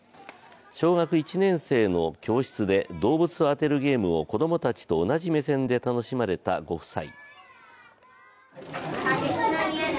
小学１年生の教室で動物を当てるゲームを子供たちと同じ目線で楽しまれたご夫妻。